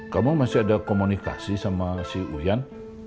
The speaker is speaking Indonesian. kamu masih ada komunikasi sama si uyan